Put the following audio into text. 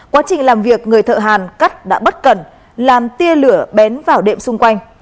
quá trình làm việc người thợ hàn cắt đã bất cẩn làm tia lửa bén vào đệm xung quanh